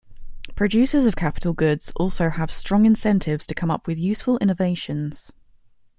Producers of capital goods also have strong incentives to come up with useful innovations.